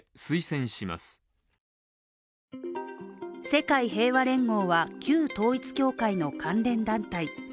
世界平和連合は旧統一教会の関連団体。